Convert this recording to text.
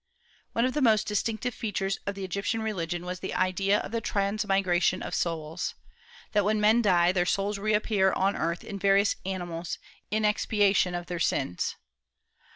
One of the most distinctive features of the Egyptian religion was the idea of the transmigration of souls, that when men die; their souls reappear on earth in various animals, in expiation of their sins.